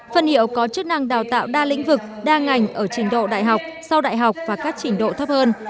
phân hiệu có chức năng đào tạo đa lĩnh vực đa ngành ở trình độ đại học sau đại học và các trình độ thấp hơn